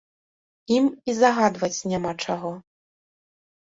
Ім і загадваць няма чаго.